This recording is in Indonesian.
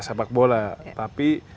sepak bola tapi